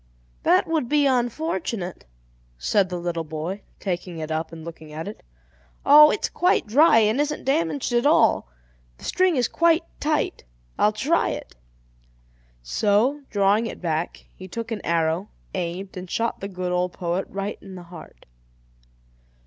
"That would be unfortunate," said the little boy, taking it up and looking at it. "Oh, it's quite dry and isn't damaged at all. The string is quite tight; I'll try it." So, drawing it back, he took an arrow, aimed, and shot the good old poet right in the heart.